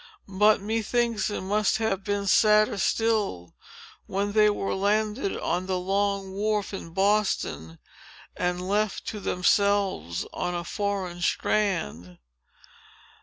But, methinks, it must have been sadder still, when they were landed on the Long Wharf, in Boston, and left to themselves, on a foreign strand.